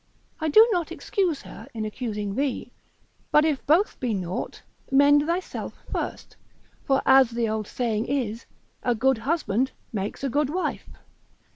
I do not excuse her in accusing thee; but if both be naught, mend thyself first; for as the old saying is, a good husband makes a good wife.